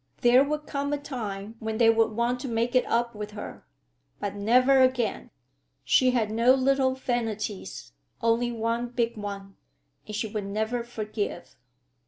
There would come a time when they would want to make it up with her. But, never again! She had no little vanities, only one big one, and she would never forgive.